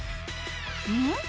うん？